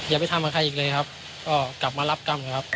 อย่าไปทำกับใครอีกเลยครับก็กลับมารับกรรมนะครับ